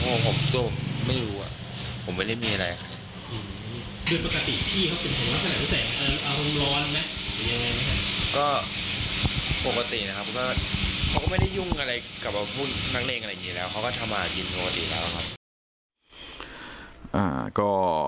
ปกติเขาก็ไม่ได้ยุ่งอะไรกับพวกนักเลงแล้วก็ทำมาหากินปกติแล้วครับ